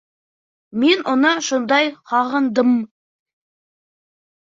Мин уны шундай һағындым!